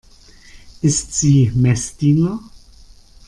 Ist sie Messdiener?